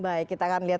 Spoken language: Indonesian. baik kita akan lihat